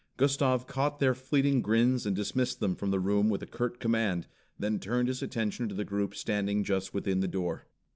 Gustav caught their fleeting grins and dismissed them from the room with a curt command, then turned his attention to the group standing just within the door.